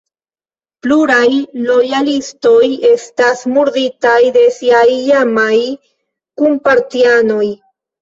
Pluraj lojalistoj estas murditaj de siaj iamaj kunpartianoj.